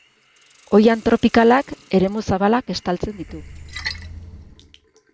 Oihan tropikalak eremu zabalak estaltzen ditu.